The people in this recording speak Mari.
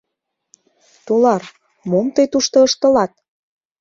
— Тулар, мом тый тушто ыштылат?